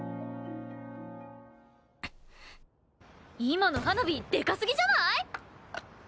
今の花火でかすぎじゃない？